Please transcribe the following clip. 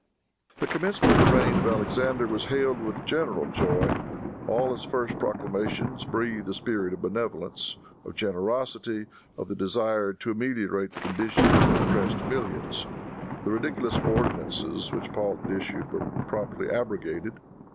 The commencement of the reign of Alexander was hailed with general joy. All his first proclamations breathe the spirit of benevolence, of generosity, of the desire to ameliorate the condition of the oppressed millions. The ridiculous ordinances which Paul had issued were promptly abrogated.